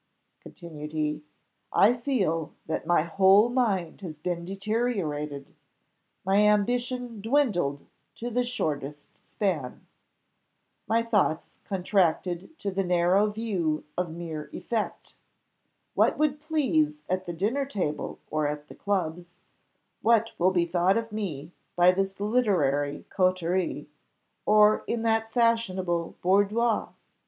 continued he, "I feel that my whole mind has been deteriorated my ambition dwindled to the shortest span my thoughts contracted to the narrow view of mere effect; what would please at the dinner table or at the clubs what will be thought of me by this literary coterie, or in that fashionable boudoir.